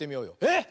えっ！